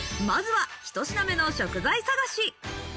まずは、１品目の食材探し。